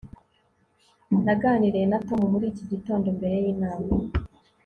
naganiriye na tom muri iki gitondo mbere yinama